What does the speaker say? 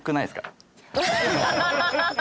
ハハハハ！